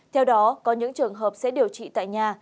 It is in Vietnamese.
theo đó có những trường hợp sẽ điều trị tại nhà